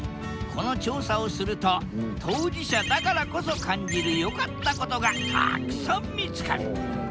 この調査をすると当事者だからこそ感じる良かったことがたっくさん見つかる。